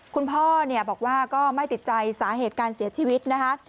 คุณพ่อเนี่ยบอกว่าก็ไม่ติดใจสาเหตุการเสียชีวิตนะคะ